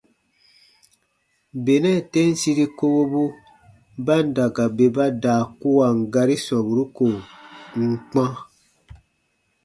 Benɛ tem siri kowobu ba n da ka bè ba daa kuwan gari sɔmburu ko n n kpã.